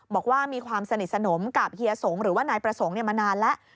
บอกว่ามีความสนิทสนมกับเฮียสงหรือว่านายประสงค์มานานแล้ว